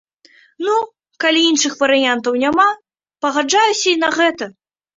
Ну, калі іншых варыянтаў няма, пагаджаюся і на гэта.